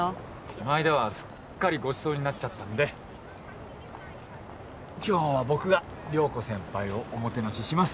こないだはすっかりごちそうになっちゃったんで今日は僕が涼子先輩をおもてなしします。